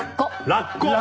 ラッコ！